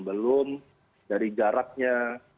belum dari garapnya